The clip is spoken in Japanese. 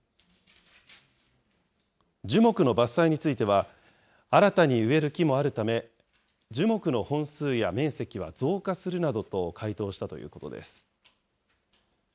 樹木の伐採については、新たに植える木もあるため、樹木の本数や面積は増加するなどと回答したということです。